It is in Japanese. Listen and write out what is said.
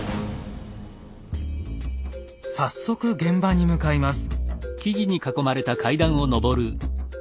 早速現場に向かいます。